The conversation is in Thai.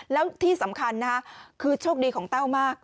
แล้วที่สำคัญนะคือโชคดีของแต้วมาก